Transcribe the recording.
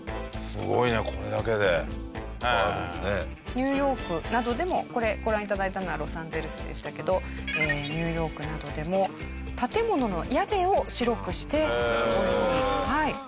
ニューヨークなどでもこれご覧頂いたのはロサンゼルスでしたけどニューヨークなどでも建物の屋根を白くしてこういうふうにはい。